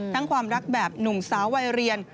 ความรักแบบหนุ่มสาววัยเรียน